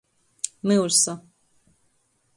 Myusa.